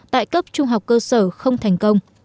tại cấp trung học cơ sở không thành công